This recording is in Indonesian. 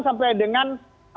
sampai dengan enam tiga puluh